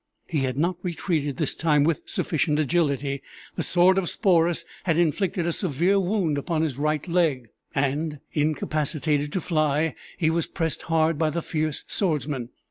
He had not retreated this time with sufficient agility the sword of Sporus had inflicted a severe wound upon his right leg; and, incapacitated to fly, he was pressed hard by the fierce swordsman.